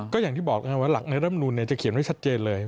ก็อย่างที่บอกเลยค่ะว่าหลักในรัฐธรรมนูลจะเขียนไว้ชัดเจนเลย